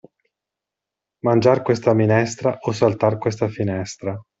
Mangiar questa minestra o saltar questa finestra.